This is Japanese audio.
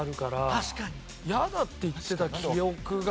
やだって言ってた記憶が。